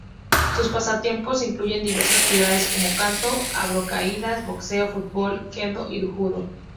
Sus pasatiempos incluyen diversas actividades como canto, acrobacias, boxeo, fútbol, kendō y judo.